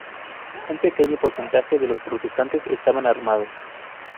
Un pequeño porcentaje de los protestantes estaban armados.